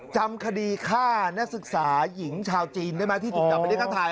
จำคดีฆ่านักศึกษาหญิงชาวจีนได้ไหมที่ถึงกลับมาดีกันถ่าย